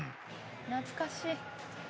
懐かしい。